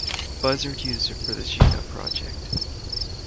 Buzzard uses it for the Xena project.